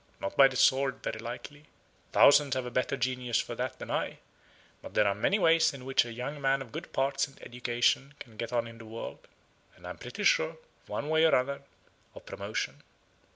Not by the sword very likely. Thousands have a better genius for that than I, but there are many ways in which a young man of good parts and education can get on in the world; and I am pretty sure, one way or other, of promotion!"